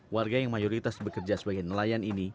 warga yang mayoritas bekerja sebagai nelayan ini